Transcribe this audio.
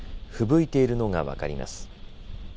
ふぶいているのが分かります。